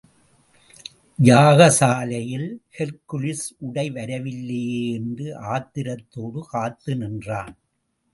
யாக சாலையில் ஹெர்க்குலிஸ் உடை வரவில்லையே என்று ஆத்திரத்தோடு காத்து நின்றான்.